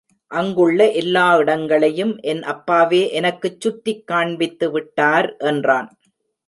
அங்குள்ள எல்லா இடங்களையும் என் அப்பாவே எனக்குச் சுற்றிக் காண்பித்து விட்டார், என்றான்.